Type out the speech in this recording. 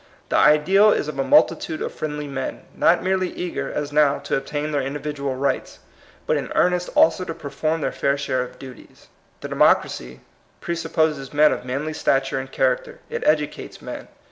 The ideal is of a multitude of friendly men, not merely eager, as now, to obtain their individual rights, but in earnest also to perform their fair share of duties. The democracy presupposes men of manly stat ure and character; it educates men.